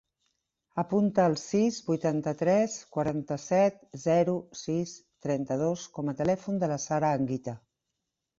Apunta el sis, vuitanta-tres, quaranta-set, zero, sis, trenta-dos com a telèfon de la Sara Anguita.